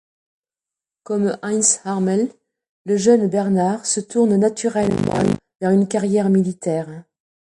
Comme Heinz Harmel, le jeune Bernhard se tourne naturellement vers une carrière militaire.